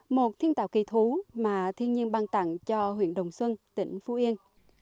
một thiên tạo kỳ thú mà thiên nhiên ban tặng cho huyện đồng xuân tỉnh phú yên